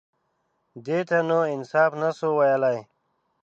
_دې ته نو انصاف نه شو ويلای.